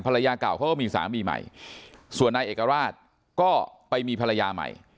ภรรยาเก่าเขาก็มีสามีใหม่ส่วนนายเอกราชก็ไปมีภรรยาใหม่